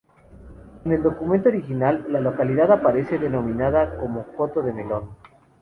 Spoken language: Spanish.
En el documento original, la localidad aparece denominada como Coto de Melón.